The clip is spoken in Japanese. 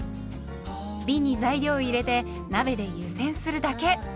びんに材料を入れて鍋で湯煎するだけ。